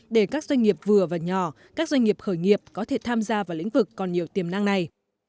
để các doanh nghiệp vừa và nhỏ các doanh nghiệp khởi nghiệp có thể tham gia vào lĩnh vực còn nhiều tiềm năng này